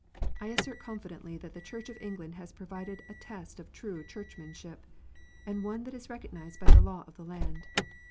I assert confidently that the Church of England has provided a test of true Churchmanship, and one that is recog nized by the law of the land.